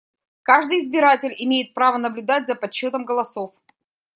Каждый избиратель имеет право наблюдать за подсчётом голосов.